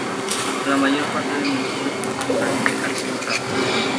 La mayor parte del municipio posee un relieve accidentado.